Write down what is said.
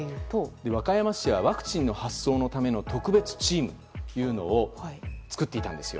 和歌山市はワクチン発送のため特別チームを作っていたんですよ。